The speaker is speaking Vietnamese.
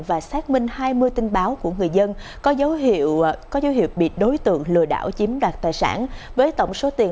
và xác minh hai mươi tin báo của người dân có dấu hiệu bị đối tượng lừa đảo chiếm đoạt tài sản với tổng số tiền